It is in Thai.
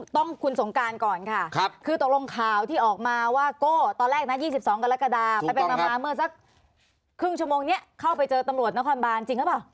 ต้องคุณสงการก่อนค่ะคือตกลงข่าวที่ออกมาว่าโก้ตอนแรกนะ๒๒กรกฎาไปมาเมื่อสักครึ่งชั่วโมงนี้เข้าไปเจอตำรวจนครบานจริงหรือเปล่า